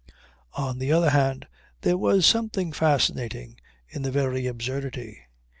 On the other hand there was something fascinating in the very absurdity.